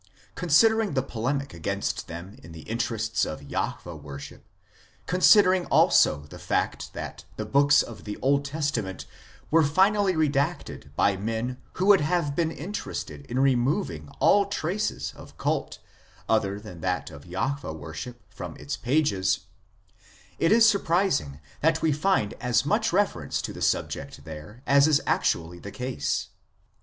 Considering the polemic against them in the interests of Jahwe worship, considering also the fact that the books of the Old Testament were finally redacted by men who would have been interested in removing all traces of cults other than that of Jahwe worship from its pages, it is surprising that we find as much reference to the subject there as is actually the case.